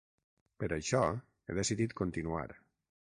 Per això, he decidit continuar.